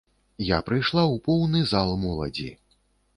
Я прыйшла ў поўны зал моладзі.